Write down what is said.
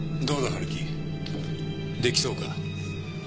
春樹出来そうか？